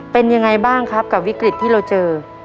เป็นยังไงบ้างครับกับวิกฤตที่เราเจอ